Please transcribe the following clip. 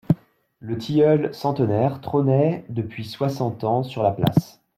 Le tilleul centenaire trônait depuis soixante ans sur la place.